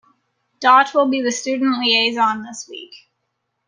Dot will be the student liaison this week.